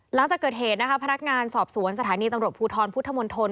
หลังจากเกิดเหตุนะคะพนักงานสอบสวนสถานีตำรวจภูทรพุทธมนตร